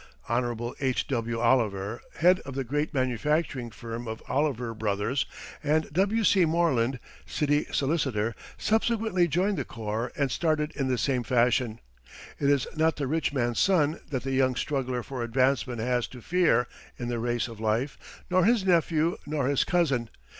Hon. H.W. Oliver, head of the great manufacturing firm of Oliver Brothers, and W.C. Morland, City Solicitor, subsequently joined the corps and started in the same fashion. It is not the rich man's son that the young struggler for advancement has to fear in the race of life, nor his nephew, nor his cousin.